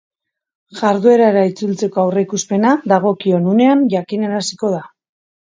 Jarduerara itzultzeko aurreikuspena dagokion unean jakinaraziko da.